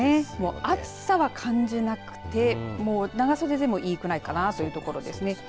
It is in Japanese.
暑さは感じなくて長袖でもいいくらいかなというところですね。